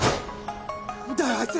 何だよあいつ！